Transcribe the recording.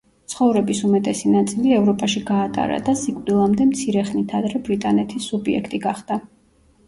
ცხოვრების უმეტესი ნაწილი ევროპაში გაატარა და სიკვდილამდე მცირე ხნით ადრე ბრიტანეთის სუბიექტი გახდა.